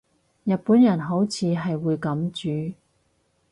日本人好似係會噉煮